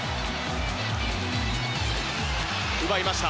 奪いました。